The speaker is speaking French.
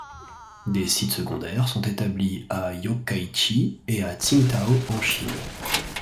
Des sites secondaires sont établis à Yokkaichi et à Tsingtao en Chine.